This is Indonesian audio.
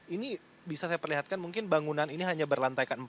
ini bisa saya perlihatkan mungkin bangunan ini hanya berlantaikan empat